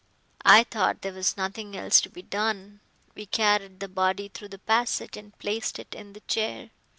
I thought there was nothing else to be done. We carried the body through the passage and placed it in the chair.